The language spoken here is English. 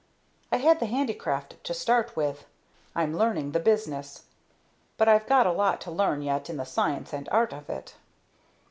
I had the handicraft to start with; I'm learning the business; but I've got a lot to learn yet in the science and art of it."